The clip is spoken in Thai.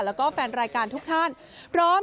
แล้วก็แฟนรายการทุกท่านพร้อม